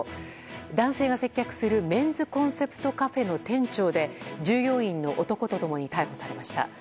男性が接客するメンズコンセプトカフェの店長で従業員の男と共に逮捕されました。